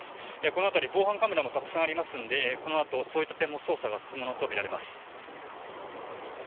この辺り、防犯カメラもたくさんありますのでこのあとそういった点も捜査が進むものとみられます。